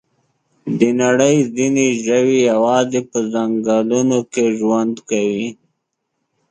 د نړۍ ځینې ژوي یوازې په ځنګلونو کې ژوند کوي.